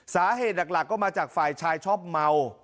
สาเหตุหลักก็มาจากฝ่ายชายชอบเมา